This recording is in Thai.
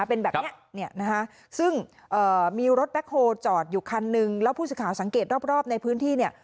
เป็นแบบนี้ซึ่งมีรถแบคโฮล์จอดอยู่คันหนึ่งแล้วผู้สิทธิ์ข่าวสังเกตรอบในพื้นที่